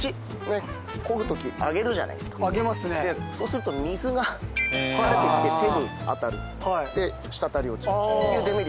そうすると水がたれてきて手に当たるで滴り落ちるっていうデメリット